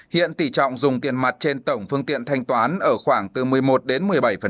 hiện tỷ trọng dùng tiền mặt trên tổng phương tiện thanh toán ở khoảng từ một mươi một đến một mươi bảy